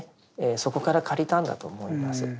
そこから借りたんだと思います。